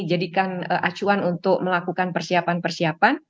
jadikan acuan untuk melakukan persiapan persiapan